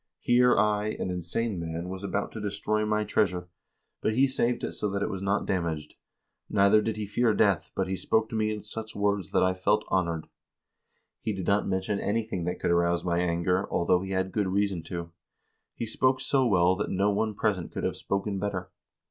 Here I, an insane man, was about to destroy my treasure, but he saved it so that it was not damaged. Neither did he fear death, but he spoke to me in such words that I felt honored. He did not mention anything that could arouse my anger, although he had good reason to do so. He spoke so well that no one present could have spoken better.